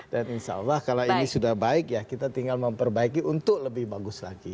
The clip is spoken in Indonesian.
dan insya allah kalau ini sudah baik ya kita tinggal memperbaiki untuk lebih bagus lagi